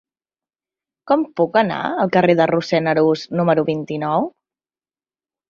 Com puc anar al carrer de Rossend Arús número vint-i-nou?